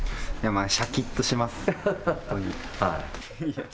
シャキッとします。